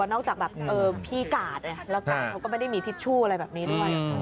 นอกจากแบบพี่กาดแล้วกาดเขาก็ไม่ได้มีทิชชู่อะไรแบบนี้ด้วย